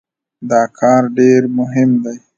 دا کار ډېر مهم دی.